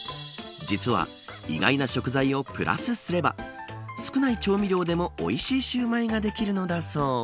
実は意外な食材をプラスすれば少ない調味料でもおいしいシューマイができるのだそう。